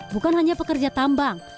bukan hanya pekerja tambang